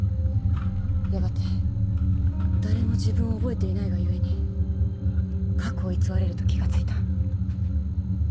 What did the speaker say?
やがて誰も自分を覚えていないが故に過去を偽れると気が付いた。